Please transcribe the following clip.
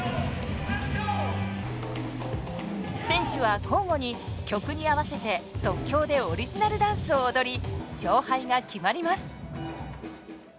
選手は交互に曲に合わせて即興でオリジナルダンスを踊り勝敗が決まります。